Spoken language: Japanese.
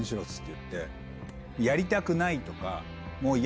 「やりたくない」とか